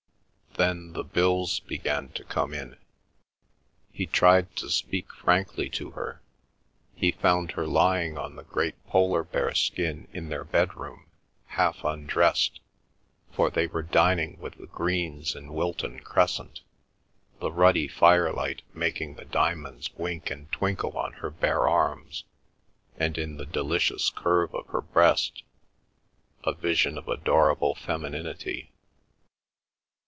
... Then the bills began to come in. ... He tried to speak frankly to her. He found her lying on the great polar bear skin in their bedroom, half undressed, for they were dining with the Greens in Wilton Crescent, the ruddy firelight making the diamonds wink and twinkle on her bare arms and in the delicious curve of her breast—a vision of adorable femininity.